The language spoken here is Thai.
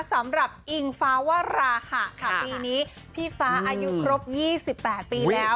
สำหรับอิงฟ้าวราหะปีนี้พี่ฟ้าอายุครบ๒๘ปีแล้ว